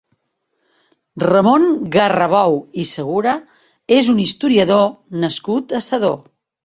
Ramon Garrabou i Segura és un historiador nascut a Sedó.